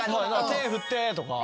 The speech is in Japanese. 「手振って」とか。